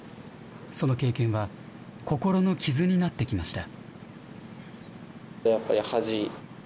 その経験は、心の傷になってきました。